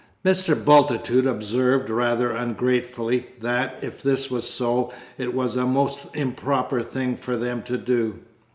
Mr. Bultitude observed, rather ungratefully, that, if this was so, it was a most improper thing for them to do.